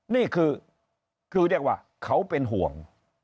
นี่คือเรียกว่าเขาเป็นห่วง